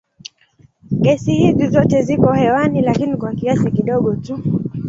Gesi hizi zote ziko hewani lakini kwa kiasi kidogo tu.